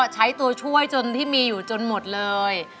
ใช้ตัวช่วยจนที่มีอยู่จนหมดเลย